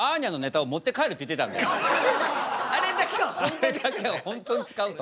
あれだけは本当に使うと。